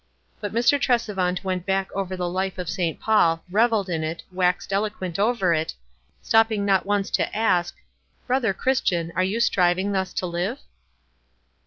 But Mr. Tresevant went back over the life of Saint Paul, reveled in it, waxed eloquent over it, stopping not once to ask, "Brother Christian, are you striving thus to live?"